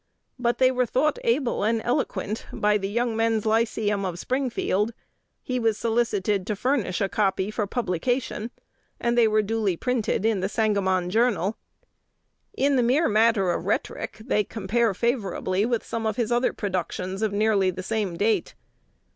But they were thought "able and eloquent" by the "Young Men's Lyceum" of Springfield: he was "solicited to furnish a copy for publication," and they were duly printed in "The Sangamon Journal." In the mere matter of rhetoric, they compare favorably with some of his other productions of nearly the same date.